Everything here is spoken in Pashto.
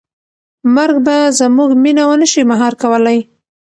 مرګ به زموږ مینه ونه شي مهار کولی.